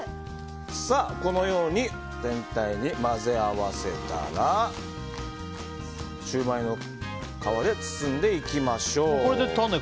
このように全体に混ぜ合わせたらシューマイの皮で包んでいきましょう。